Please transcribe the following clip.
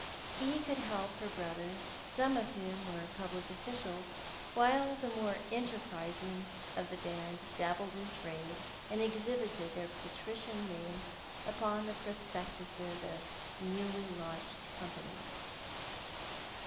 He could help her brothers, some of whom were public offi;'ials, while the more enterprising of the band dabbled in trade and exhibited their patrician name upon the prospectuses of newly launched com panies.